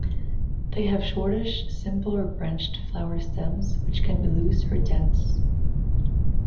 They have shortish, simple or branched flower stems which can be loose or dense.